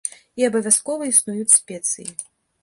І абавязкова існуюць спецыі.